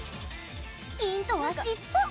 ヒントは尻尾。